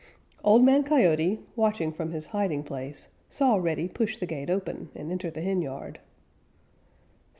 Old Man Coyote, watching from his hiding place, saw Reddy push the gate open and enter the henyard.